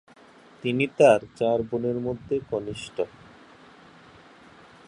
তিনি তাঁর চার বোনের মধ্যে কনিষ্ঠ।